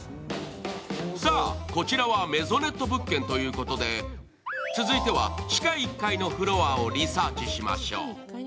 さあ、こちらはメゾネット物件ということで続いては地下１階の部屋をリサーチしましょう。